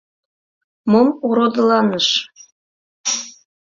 — Мом ородыланыш?